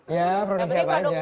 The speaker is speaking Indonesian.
ya produksi apa aja